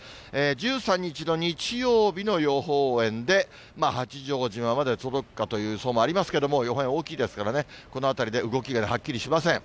１３日の日曜日の予報円で、八丈島までは届くかという予想もありますけれども、予報円大きいですからね、この辺りで動きがはっきりしません。